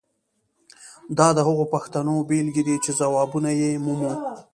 دا د هغو پوښتنو بیلګې دي چې ځوابونه یې مومو.